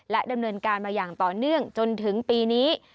ดำเนินการมาอย่างต่อเนื่องจนถึงปีนี้